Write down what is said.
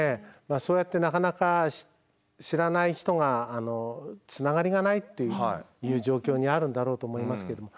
そうやってなかなか知らない人がつながりがないっていう状況にあるんだろうと思いますけども。